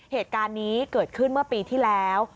เหตุการณ์นี้เกิดขึ้นเมื่อปีที่แล้ว